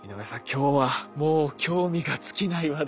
今日はもう興味が尽きない話題でしたね。